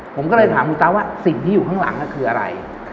ผมก็เลยถามคุณตาว่าสิ่งที่อยู่ข้างหลังคืออะไร